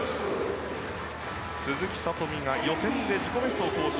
鈴木聡美が予選で自己ベストを更新。